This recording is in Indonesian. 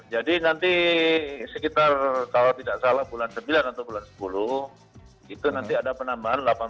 jadi nanti sekitar kalau tidak salah bulan sembilan atau bulan sepuluh itu nanti ada penambahan delapan puluh satu tahun